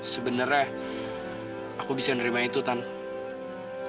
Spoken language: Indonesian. sebenernya aku bisa nerima itu tante